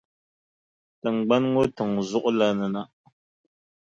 Tiŋgbani ŋɔ tiŋʼ zuɣu la ni na.